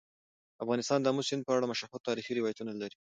افغانستان د آمو سیند په اړه مشهور تاریخي روایتونه لري.